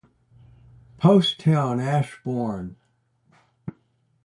Post town, Ashborne.